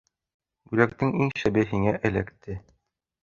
Бүләктең иң шәбе һиңә эләкте.